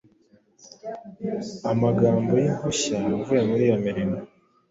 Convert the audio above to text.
Amagambo yimpushya avuye muriyi mirimo